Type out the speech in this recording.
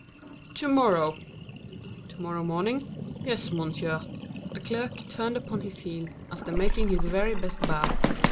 "To morrow." "To morrow morning?" "Yes, monsieur." The clerk turned upon his heel, after making his very best bow.